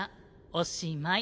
おしまい。